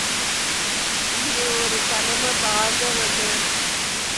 இங்கே ஒரு பரம பாகவதர்.